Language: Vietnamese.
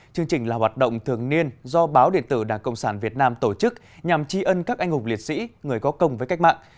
chương trình là hoạt động thường niên do báo điện tử đảng cộng sản việt nam tổ chức nhằm tri ân các anh hùng liệt sĩ người có công với cách mạng